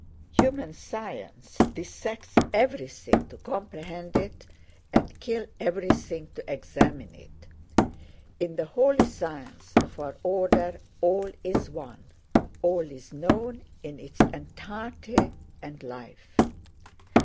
Human sciences dissect everything to comprehend it, and kill everything to examine it. In the holy science of our order all is one, all is known in its entirety and life.